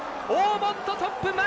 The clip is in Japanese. オーモット、トップ。